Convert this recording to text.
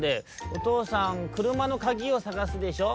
「おとうさんくるまのかぎをさがすでしょ」。